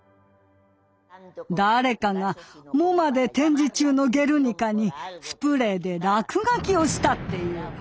誰かがＭｏＭＡで展示中の「ゲルニカ」にスプレーで落書きをしたっていう。